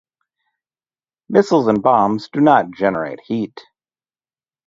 Missiles and bombs do not generate heat.